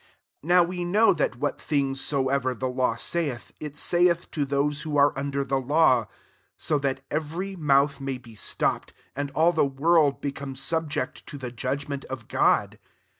19 Now we know that what things soever the law saith, it saith to those who are under the law ; so that every mouth may be stopped, and all the world become sub ject to the judgment of God.